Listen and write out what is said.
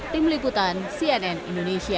tim liputan cnn indonesia